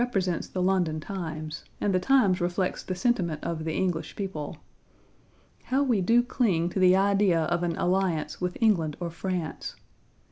Page 75 the London Times, and the Times reflects the sentiment of the English people. How we do cling to the idea of an alliance with England or France!